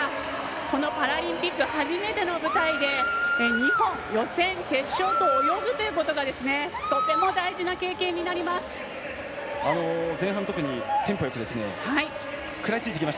このパラリンピック初めての舞台で２本、予選、決勝と泳ぐということがとても大事な経験になります。